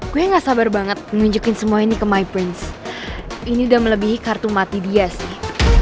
gue gak sabar banget nunjukin semua ini ke my prince ini udah melebihi kartu mati dia sih